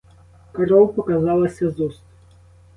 Кров показалася з уст.